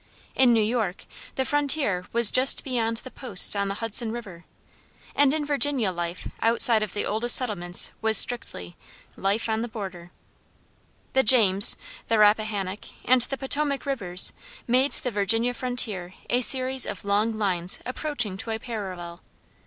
In New York the frontier was just beyond the posts on the Hudson River; and in Virginia life outside of the oldest settlements was strictly "life on the border." The James, the Rappahannock, and the Potomac Rivers made the Virginia frontier a series of long lines approaching to a parallel.